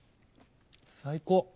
最高！